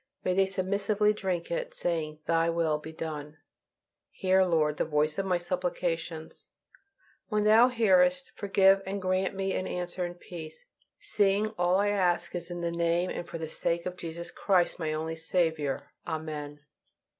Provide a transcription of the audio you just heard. May they submissively drink it, saying, "Thy will be done!" Hear, Lord, the voice of my supplications, when Thou hearest, forgive, and grant me an answer in peace, seeing all that I ask is in the name and for the sake of Jesus Christ, my only Saviour. Amen.